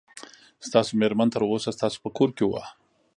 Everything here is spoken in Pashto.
ستاسو مېرمن تر اوسه ستاسو په کور کې وه.